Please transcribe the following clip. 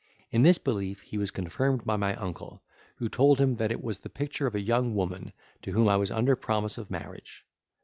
In this belief he was confirmed by my uncle, who told him that it was the picture of a young woman, to whom I was under promise of marriage.